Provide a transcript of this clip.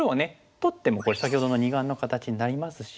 取ってもこれ先ほどの二眼の形になりますし。